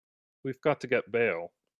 We've got to get bail.